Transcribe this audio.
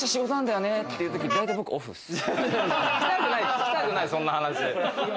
聞きたくない、そんな話。